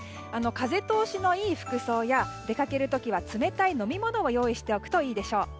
風通しの良い服装や出かける時は冷たい飲み物を用意しておくといいでしょう。